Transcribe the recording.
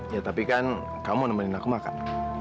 ya tapi kan kamu nemenin aku makan